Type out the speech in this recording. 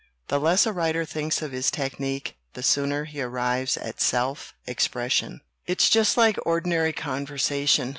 The less a writer thinks of his technique the sooner he arrives at self expression. "It's just like ordinary conversation.